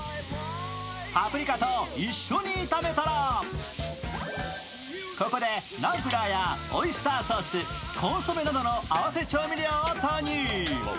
パプリカと一緒に炒めたら、ここでナンプラーやオイスターソース、コンソメなどの合わせ調味料を投入。